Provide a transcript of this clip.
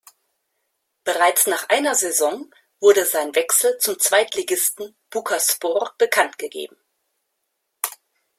Bereits nach einer Saison wurde sein Wechsel zum Zweitligisten Bucaspor bekanntgegeben.